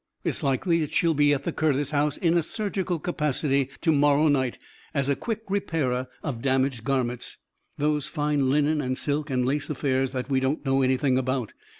It's likely that she'll be at the Curtis house, in a surgical capacity, to morrow night, as a quick repairer of damaged garments, those fine linen and silk and lace affairs that we don't know anything about.